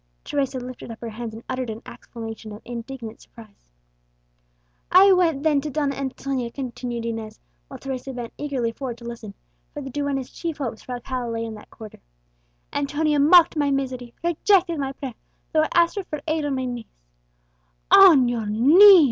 Teresa lifted up her hands, and uttered an exclamation of indignant surprise. "I went then to Donna Antonia," continued Inez, while Teresa bent eagerly forward to listen, for the duenna's chief hopes for Alcala lay in that quarter; "Antonia mocked my misery, rejected my prayer, though I asked for her aid on my knees!" "On your knees!"